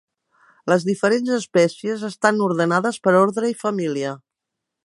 Les diferents espècies estan ordenades per ordre i família.